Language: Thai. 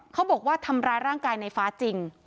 เขาบอกว่าทำร้ายร่างกายในฟ้าจริง